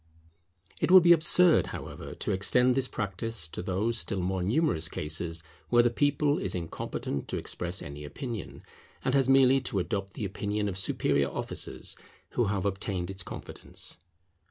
It would be absurd, however, to extend this practice to those still more numerous cases where the people is incompetent to express any opinion, and has merely to adopt the opinion of superior officers who have obtained its confidence.